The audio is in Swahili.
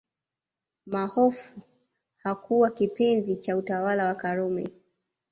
Mahfoudh hakuwa kipenzi cha utawala wa Karume